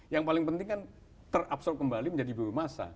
yang paling penting kan terabsorb kembali menjadi biomasa